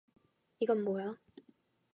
이건 뭐야?